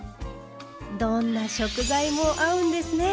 どんな食材も合うんですね。